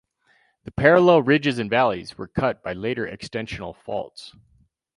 The parallel ridges and valleys were cut by later extensional faults.